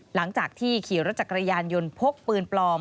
หลังจากที่ขี่รถจักรยานยนต์พกปืนปลอม